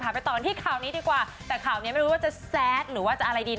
ไปต่อกันที่ข่าวนี้ดีกว่าแต่ข่าวนี้ไม่รู้ว่าจะแซดหรือว่าจะอะไรดี